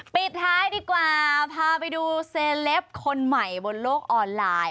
ปิดท้ายดีกว่าพาไปดูเซเลปคนใหม่บนโลกออนไลน์